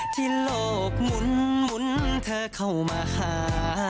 ที่โลกหมุนเธอเข้ามาหา